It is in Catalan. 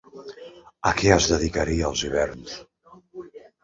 A què es dedicaria els hiverns?